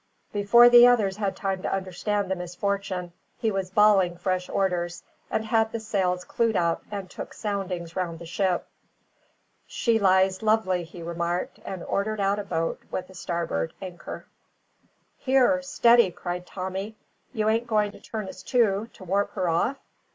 Before the others had time to understand the misfortune, he was bawling fresh orders, and had the sails clewed up, and took soundings round the ship. "She lies lovely," he remarked, and ordered out a boat with the starboard anchor. "Here! steady!" cried Tommy. "You ain't going to turn us to, to warp her off?"